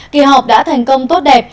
kỳ họp đã thành công tốt đẹp